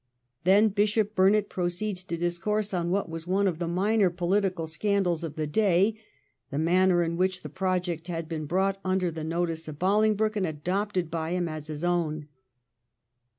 Then Bishop Burnet proceeds to discourse on what was one of the minor poHtical scandals of the day — the manner in which the project had been brought under the notice of Bolingbroke and adopted by him as his own.